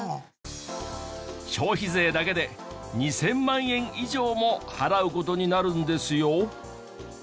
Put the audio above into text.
消費税だけで２０００万円以上も払う事になるんですよ。